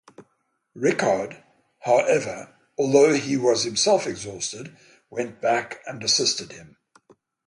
Rickard, however, although he was himself exhausted, went back and assisted him.